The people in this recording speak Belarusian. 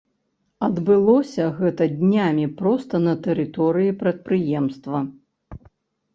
Адбылося гэта днямі проста на тэрыторыі прадпрыемства.